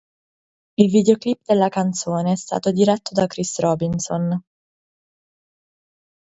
Il videoclip della canzone è stato diretto da Chris Robinson.